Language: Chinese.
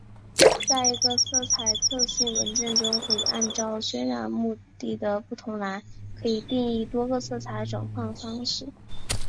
在一个色彩特性文件中可以按照渲染目的的不同来可以定义多个色彩转换方式。